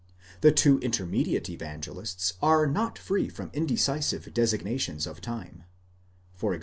The two intermediate Evangelists are not free from indecisive designations of time (e.g.